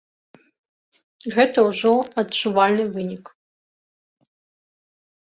Гэта ўжо адчувальны вынік.